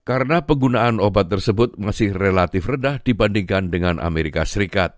karena penggunaan obat tersebut masih relatif redah dibandingkan dengan amerika serikat